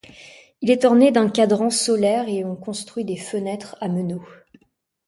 Il est orné d'un cadran solaire et on construit des fenêtres à meneaux.